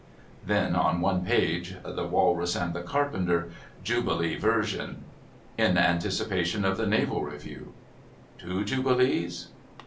Then, on one page, "The Walrus and the Carpenter: Jubilee Version." "In Anticipation of the Naval Review." "Two Jubilees?"